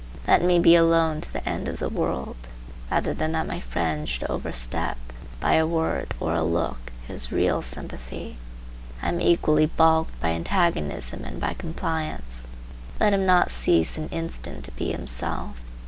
Let me be alone to the end of the world, rather than that my friend should overstep, by a word or a look, his real sympathy. I am equally balked by antagonism and by compliance. Let him not cease an instant to be himself.